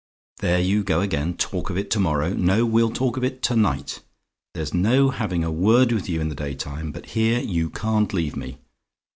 There you go again! Talk of it to morrow! No; we'll talk of it to night. There's no having a word with you in the daytime but here you can't leave me.